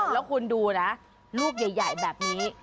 แล้วคุณดูนะลูกใหญ่แบบนี้